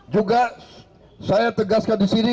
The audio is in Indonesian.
juga saya tegaskan disini